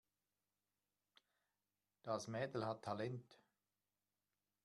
Das Mädel hat Talent.